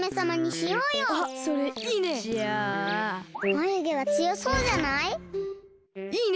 まゆげはつよそうじゃない？いいね！